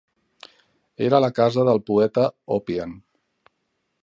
Era la casa del poeta Oppian.